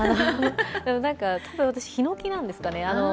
多分私、ヒノキなんですかね。